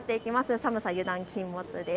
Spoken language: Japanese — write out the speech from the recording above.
寒さ、油断禁物です。